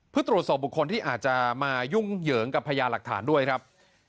เพื่อตรวจสอบบุคคลที่อาจจะมายุ่งเหยิงกับพญาหลักฐานด้วยครับ